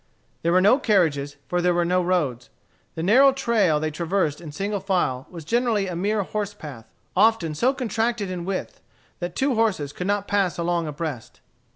There were no carriages, for there were no roads. The narrow trail they traversed in single file was generally a mere horse path, often so contracted in width that two horses could not pass along abreast.